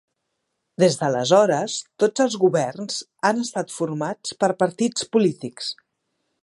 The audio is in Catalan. Des d'aleshores tots els governs han estat formats per partits polítics.